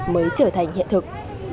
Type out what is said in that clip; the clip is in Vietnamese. mới trở thành hiện thực